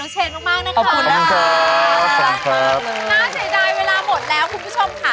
น่าเศรษฐ์ใดเวลาหมดแล้วคุณผู้ชมค่ะ